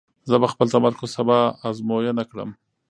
زه به خپل تمرکز سبا ازموینه کړم.